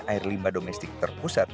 air limba domestik terpusat